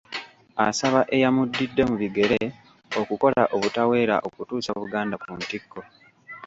Asaba eyamuddidde mu bigere okukola obutaweera okutuusa Buganda ku ntikko.